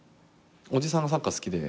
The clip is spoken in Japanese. おじさんがサッカー好きで。